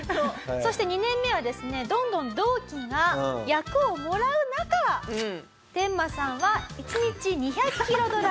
そして２年目はですねどんどん同期が役をもらう中テンマさんは１日２００キロドライブ。